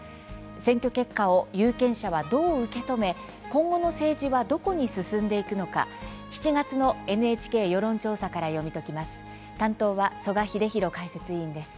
選挙結果を有権者はどう受け止め今後の政治はどこに進んでいくのか７月のＮＨＫ世論調査から読み解きます。